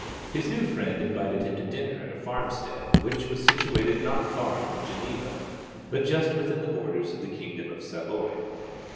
His new friend invited him to dinner at a farmstead which was situated not far from Geneva, but just within the borders of the kingdom of Savoy.